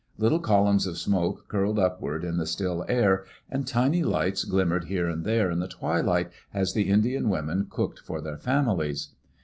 Little columns of smoke curled upward in the still air, and tiny lights glimmered here and there in the twilight, as the Indian women cooked for their fam ilies.